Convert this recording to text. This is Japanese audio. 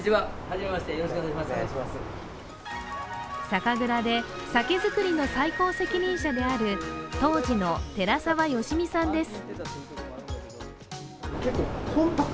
酒蔵で酒造りの最高責任者である杜氏の寺澤善実さんです。